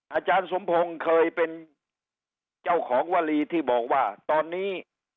อาจารย์สมพงศ์เคยเป็นเจ้าของวลีที่บอกว่าตอนนี้